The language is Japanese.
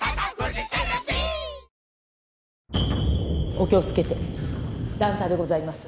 お気を付けて段差でございます。